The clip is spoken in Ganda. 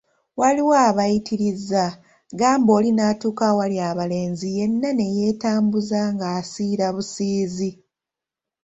Waliwo abayitiriza, gamba oli n'atuuka awali abalenzi yenna ne yeetambuza ng'asiirabusiizi.